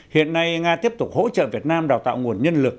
hiện nay nga tiếp tục hỗ trợ việt nam đào tạo nguồn nhân lực